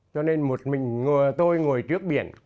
cho nên một mình tôi ngồi trước biển